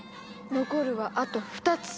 残るはあと２つ！